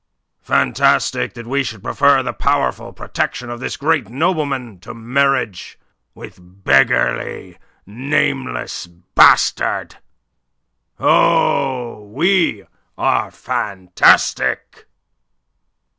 "Fantastic that we should prefer the powerful protection of this great nobleman to marriage with a beggarly, nameless bastard. Oh, we are fantastic!"